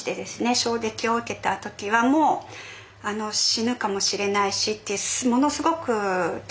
衝撃を受けた時はもう死ぬかもしれないしってものすごく恐怖でした。